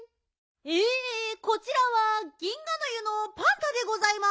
えこちらは銀河の湯のパンタでございます。